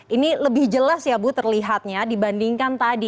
ini lebih jelas ya bu terlihatnya dibandingkan tadi